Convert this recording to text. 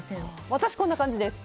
私こんな感じです。